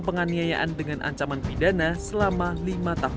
yang diperlukan oleh pemerintah